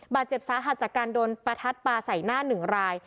บาดเจ็บสาหัสจากการโดนประทัดปลาใส่หน้าหนึ่งราย